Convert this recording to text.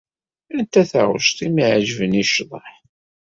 Anta taɣect i m-iɛeǧben i ccḍeḥ?